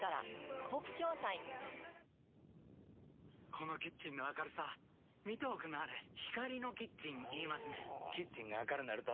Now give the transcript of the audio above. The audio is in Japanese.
このキッチンの明るさ見ておくんなはれ光のキッチン言いますねんほぉキッチンが明るなると・・・